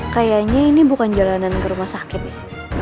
kayaknya ini bukan jalanan ke rumah sakit nih